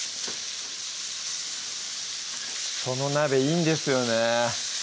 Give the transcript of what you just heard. その鍋いいんですよね